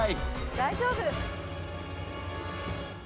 大丈夫。